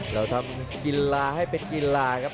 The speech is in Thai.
เราทำกิลลาให้เป็นกิลลาครับ